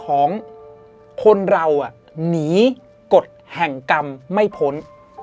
ของคนเราหนีกฎแห่งกรรมไม่พ้น